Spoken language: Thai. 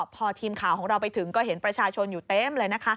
พอทีมข่าวของเราไปถึงก็เห็นประชาชนอยู่เต็มเลยนะคะ